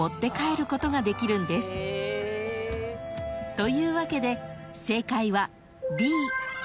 ［というわけで正解は］